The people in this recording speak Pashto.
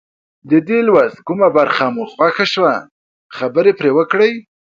د دې لوست کومه برخه مو خوښه شوه خبرې پرې وکړئ.